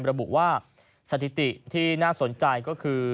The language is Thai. ระบุว่าสถิติที่น่าสนใจก็คือ